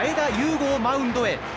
伍をマウンドへ。